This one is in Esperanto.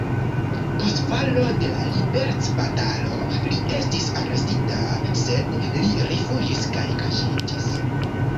Post falo de la liberecbatalo li estis arestita, sed li rifuĝis kaj kaŝiĝis.